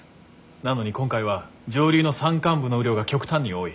なのに今回は上流の山間部の雨量が極端に多い。